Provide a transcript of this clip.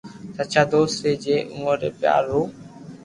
سچا دوست ري جي اووہ ري پيار رو